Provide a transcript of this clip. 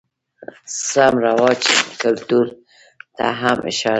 رسم رواج ،کلتور ته هم اشاره شوې ده.